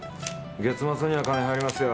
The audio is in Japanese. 月末には金入りますよ。